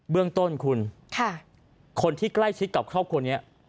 เรื่องต้นคุณคนที่ใกล้ชิดกับครอบครัวนี้